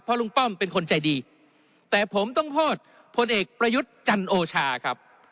ลุงป้อมเป็นคนใจดีแต่ผมต้องโทษพลเอกประยุทธ์จันโอชาครับ